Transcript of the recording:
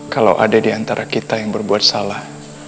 kalau ada diantara kita yang berbuat salah